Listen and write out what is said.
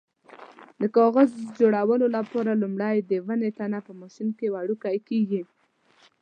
د کاغذ جوړولو لپاره لومړی د ونې تنه په ماشین کې وړوکی کېږي.